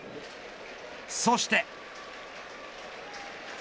そして。